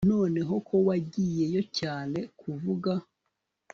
noneho ko wagiyeyo cyane kuvuga